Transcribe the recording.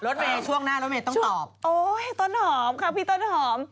รถเมย์ช่วงหน้ารถเมย์ต้องตอบโอ้ยต้นหอมค่ะพี่ต้นหอม